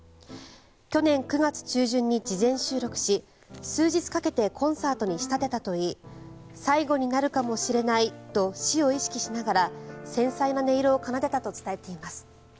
去年９月中旬に事前収録し数日かけてコンサートに仕立てたとし最後になるかもしれないと死を意識しながら繊細な音色を奏でたと伝えています。